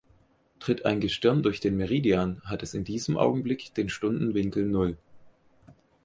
Tritt ein Gestirn durch den Meridian, hat es in diesem Augenblick den Stundenwinkel Null.